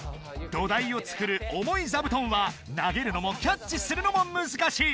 土台を作る重い座布団は投げるのもキャッチするのもむずかしい！